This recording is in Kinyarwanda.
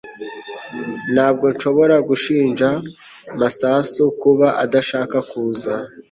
Ntabwo nshobora gushinja Masasu kuba adashaka kuza